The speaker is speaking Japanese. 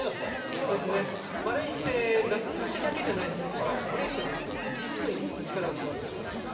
そうですね悪い姿勢腰だけじゃないんですけど悪い姿勢でいると一部分に力が加わってしまうんですね。